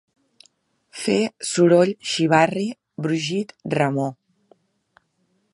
Fer soroll, xivarri, brogit, remor.